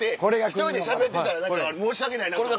１人でしゃべってたら申し訳ないなと思って。